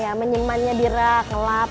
iya menyemannya dirak ngebutin